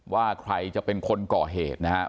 ว่าใครจะเป็นคนก่อเหตุนะครับ